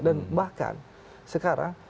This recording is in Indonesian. dan bahkan sekarang